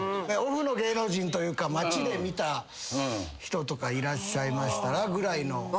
オフの芸能人というか街で見た人とかいらっしゃいましたらぐらいの。